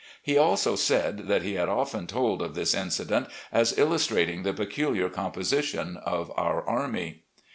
He also said that he had often told of this incident as illustrating the peculiar composition of our army.